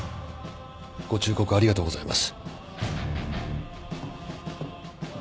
ご忠告ありがとうございます。